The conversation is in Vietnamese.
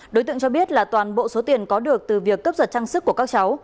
đối tượng cho biết là toàn bộ số tiền có được từ việc cấp giật trang sức của các cháu